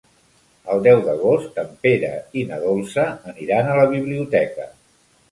El deu d'agost en Pere i na Dolça aniran a la biblioteca.